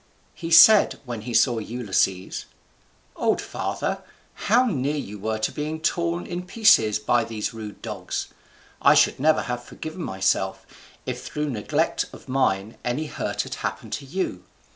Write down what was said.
He said, when he saw Ulysses, "Old father, how near you were to being torn in pieces by these rude dogs! I should never have forgiven myself, if through neglect of mine any hurt had happened to you.